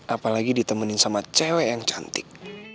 apalagi ditemenin sama cewek yang cantik